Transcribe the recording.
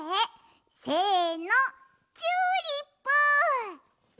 せのチューリップ！